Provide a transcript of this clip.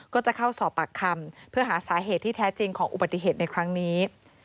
ก็จะเข้าสอบปากคำเพื่อหาสาเหตุที่แท้จริงของอุบัติเหตุในครั้งนี้